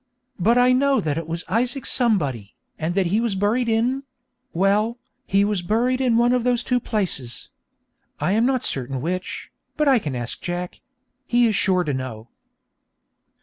But I know that it was Isaac somebody, and that he was buried in well, he was buried in one of those two places. I am not certain which, but I can ask Jack; he is sure to know.